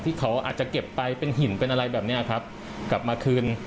ที่เขาอาจจะเก็บไปเป็นหินเป็นอะไรแบบนี้ครับกลับมาคืน